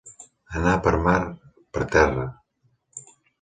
Anar per mar, per terra.